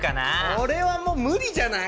これは無理じゃない？